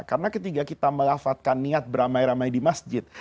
karena kita melafatkan niat beramai ramai di masjid